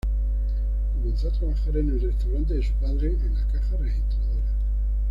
Comenzó a trabajar en el restaurante de su padre, en la caja registradora.